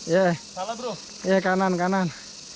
ya salah bro ya kanan kanan